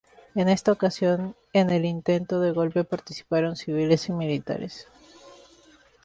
En esta ocasión en el intento de golpe participaron civiles y militares.